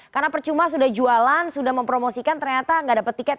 karena percuma sudah jualan sudah mempromosikan ternyata nggak dapat tiket